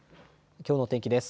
きょうの天気です。